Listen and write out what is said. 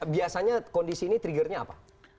biasanya kondisi ini triggernya apa